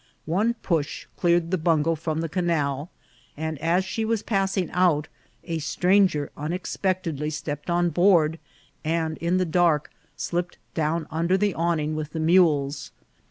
One push clear ed the bungo from the canal, and as she was passing out a stranger unexpectedly stepped on board, and in the dark slipped down under the awning with the mules.